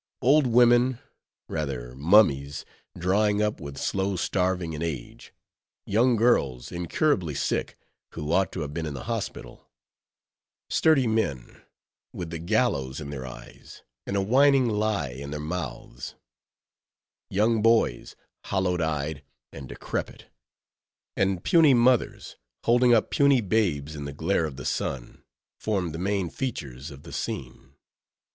Old women, rather mummies, drying up with slow starving and age; young girls, incurably sick, who ought to have been in the hospital; sturdy men, with the gallows in their eyes, and a whining lie in their mouths; young boys, hollow eyed and decrepit; and puny mothers, holding up puny babes in the glare of the sun, formed the main features of the scene.